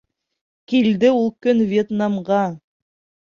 Килде ул көн Вьетнамға!